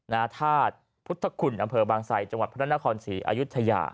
นาธาตุพุทธคุณอำเภอบางไซจังหวัดพระนครศรีอายุทยา